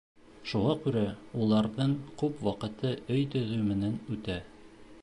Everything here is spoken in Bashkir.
Шуға күрә уларҙың күп ваҡыты өй төҙөү менән үтә.